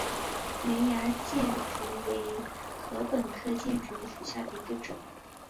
圆芽箭竹为禾本科箭竹属下的一个种。